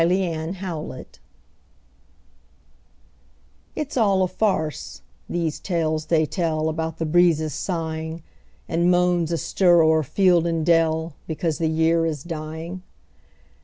MERRY AUTUMN It's all a farce, these tales they tell About the breezes sighing, And moans astir o'er field and dell, Because the year is dying.